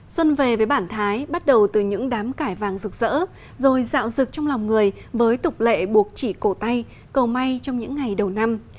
xuân về với bản thái bắt đầu từ những đám cải vàng rực rỡ rồi dạo rực trong lòng người với tục lệ buộc chỉ cổ tay cầu may trong những ngày đầu năm